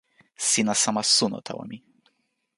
sina sama suno tawa mi.